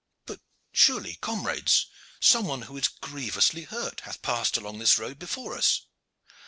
But surely, comrades, some one who is grievously hurt hath passed along this road before us."